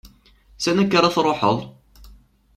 Sani akka ara truḥeḍ?